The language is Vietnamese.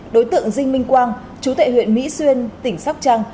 đối tượng dinh minh quang chú tại huyện mỹ xuyên tỉnh sóc trăng